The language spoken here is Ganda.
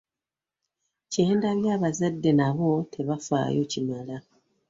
Kye ndabye abazadde nabo tebafaayo kimala.